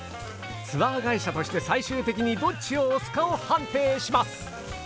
ツアー会社として最終的にどっちを推すかを判定します！